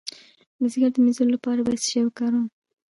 د ځیګر د مینځلو لپاره باید څه شی وکاروم؟